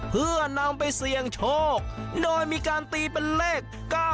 เพื่อนำไปเสี่ยงโชคโดยมีการตีเป็นเลข๙๙